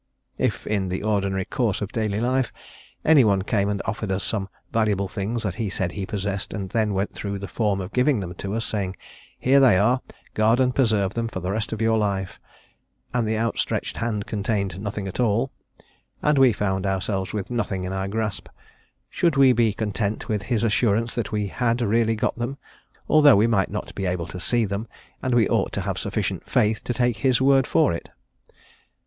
If, in the ordinary course of daily life, any one came and offered us some valuable things he said that he possessed, and then went through the form of giving them to us, saying: "Here they are; guard and preserve them for the rest of your life;" and the outstretched hand contained nothing at all, and we found ourselves with nothing in our grasp, should we be content with his assurance that we had really got them, although we might not be able to see them, and we ought to have sufficient faith to take his word for it?